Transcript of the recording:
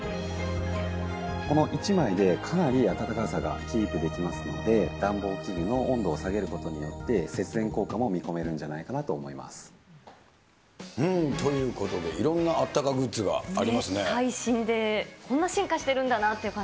この１枚でかなり暖かさがキープできますので、暖房器具の温度を下げることによって、節電効果も見込めるんじゃないかなと思ということで、いろんなあっ最新でこんな進化してるんだ